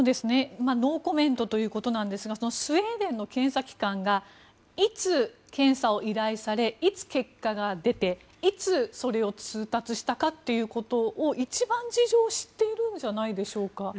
ノーコメントということですがスウェーデンの検査機関がいつ検査を依頼されいつ結果が出て、いつそれを通達したかということを一番事情を知っているんじゃないでしょうか。